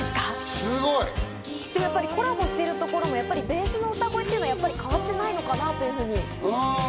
やっぱりコラボしてるところもベースの歌声っていうのは変わってないのかなというふうに。